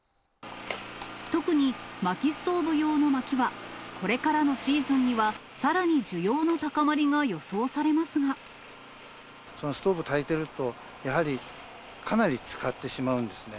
特に、まきストーブ用のまきは、これからのシーズンには、さらに需要のストーブたいてると、やはり、かなり使ってしまうんですね。